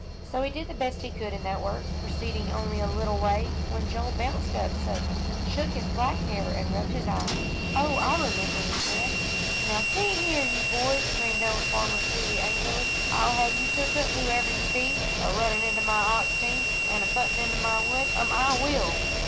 So he did the best he could in that work, proceeding only a little way, when Joel bounced up suddenly, shook his black hair, and rubbed his eyes. "Oh, I remember," he said. "Now, see here you boy," screamed old Farmer Seeley, angrily, "I'll have you took up, whoever ye be, a runnin' into my ox team, an' a buntin' into my wood. Um I will!"